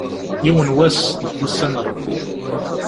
Yiwen wass, deg ussan n Ṛebbi.